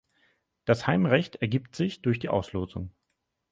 Das Heimrecht ergibt sich durch die Auslosung.